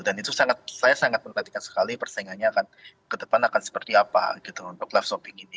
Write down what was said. dan itu saya sangat menantikan sekali persaingannya akan ke depan akan seperti apa gitu untuk live shopee ini